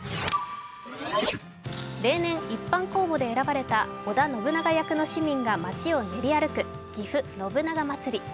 例年、一般公募で選ばれた織田信長役の市民が街を練り歩く、ぎふ信長まつり。